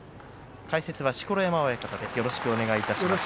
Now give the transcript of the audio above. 解説は錣山親方です。